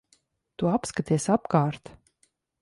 Tu apskaties apkārt.